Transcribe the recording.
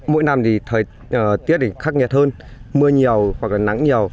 mỗi năm thì thời tiết khắc nhạt hơn mưa nhiều hoặc là nắng nhiều